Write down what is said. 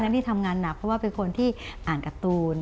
พี่ทำงานหนักเพราะว่าเป็นคนที่อ่านการ์ตูน